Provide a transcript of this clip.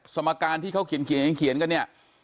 สมการที่เขาเขียนเขียนก็เนี่ย